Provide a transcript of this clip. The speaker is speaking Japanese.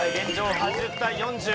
８０対４０。